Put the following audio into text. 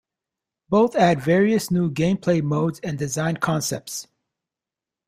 Both add various new gameplay modes and design concepts.